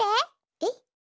えっ？